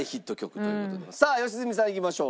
さあ良純さんいきましょう。